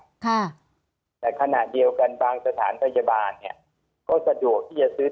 ค่ะแต่ขณะเดียวกันบางสถานพยาบาลเนี้ยก็สะดวกที่จะซื้อ